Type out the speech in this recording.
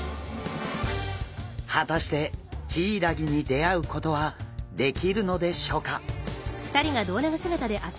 果たしてヒイラギに出会うことはできるのでしょうか？